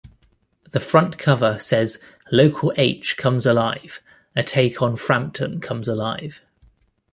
The front cover says Local H Comes Alive!-a take on Frampton Comes Alive!